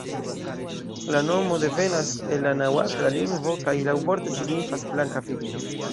La nomo devenas el la naŭatla lingvo kaj laŭvorte signifas "blanka virino".